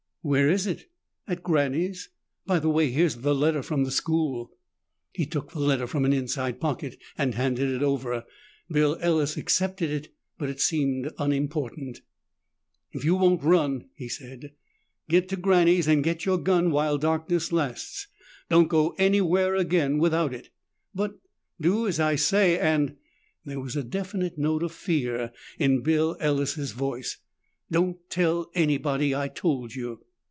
"Where is it?" "At Granny's. By the way, here's the letter from the school." He took the letter from an inside pocket and handed it over. Bill Ellis accepted it, but it seemed unimportant. "If you won't run," he said, "get to Granny's and get your gun while darkness lasts. Don't go anywhere again without it." "But " "Do as I say and " there was a definite note of fear in Bill Ellis' voice "don't tell anybody I told you."